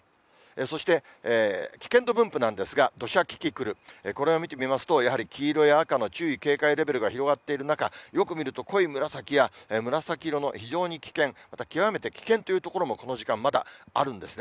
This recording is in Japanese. そして、危険度分布なんですが、土砂キキクル、これを見てみますと、やはり黄色や赤の注意、警戒レベル広がっている中、よく見ると、濃い紫や紫色の非常に危険、また極めて危険という所もこの時間もまだあるんですね。